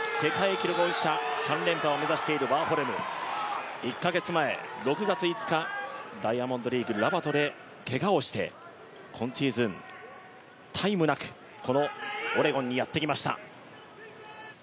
４レーンから世界記録保持者３連覇を目指しているワーホルム１カ月前、６月５日ダイヤモンドリーグラバトでけがをして今シーズン、タイムなくこのオレゴンにやってきました。